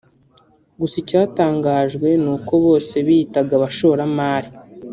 gusa icyatangajwe ni uko bose biyitaga abashoramari